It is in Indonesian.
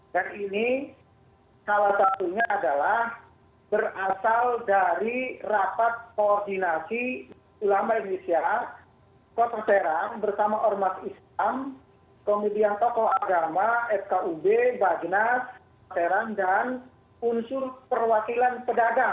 dan ini salah satunya adalah berasal dari rapat koordinasi ulama indonesia kota serang bersama ormas islam komedian tokoh agama fkub bajnas kota serang dan unsur perwakilan pedagang